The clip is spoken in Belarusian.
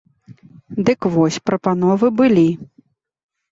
Дык вось, прапановы былі.